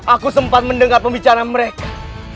aku sempat mendengar pembicaraan mereka